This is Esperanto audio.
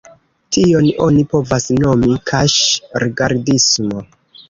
Tion oni povas nomi "kaŝ-rigardismo".